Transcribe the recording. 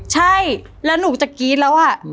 ใช่แล้วหนูจะกรี๊ดแล้วอะ